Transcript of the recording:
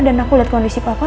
dan aku liat kondisi papa